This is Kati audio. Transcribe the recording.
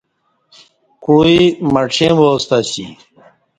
کوعی مڄیں وا ستہ اسی